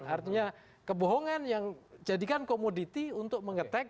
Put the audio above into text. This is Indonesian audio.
artinya kebohongan yang jadikan komoditi untuk mengetek